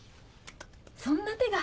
そんな手が。